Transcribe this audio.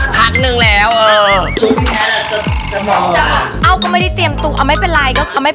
สามีพี่แจ๊คสวัสดีค่ะ